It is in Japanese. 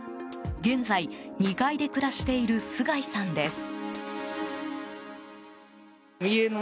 現在、２階で暮らしている須貝さんです。